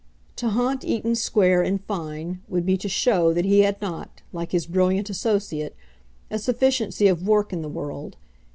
To haunt Eaton Square, in fine, would be to show that he had not, like his brilliant associate, a sufficiency of work in the world.